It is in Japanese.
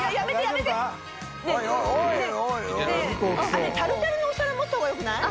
あれタルタルのお皿㈭辰燭曚Δよくない？